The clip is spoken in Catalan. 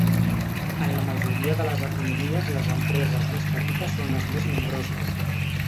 En la majoria de les economies les empreses més petites són les més nombroses.